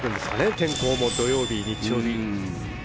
天候も土曜日、日曜日。